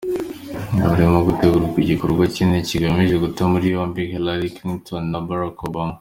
Ngo harimo gutegurwa igikorwa kinini kigamije guta muri yombi Helaly Clinton na Barack Obama.